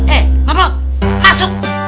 eh mamuk masuk